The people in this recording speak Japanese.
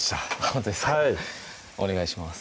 ほんとですかお願いします